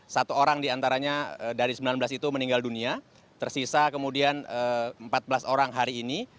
satu orang diantaranya dari sembilan belas itu meninggal dunia tersisa kemudian empat belas orang hari ini